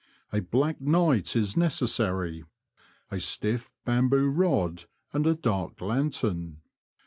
A black night is necessary ; a stiff bamboo rod, and a dark lantern.